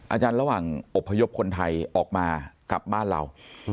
ระหว่างอบพยพคนไทยออกมากลับบ้านเรา